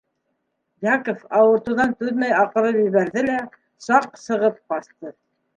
Яков ауыртыуҙан түҙмәй аҡырып ебәрҙе лә саҡ сығып ҡасты.